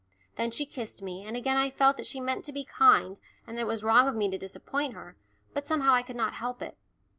Then she kissed me, and again I felt that she meant to be kind and that it was wrong of me to disappoint her, but somehow I could not help it.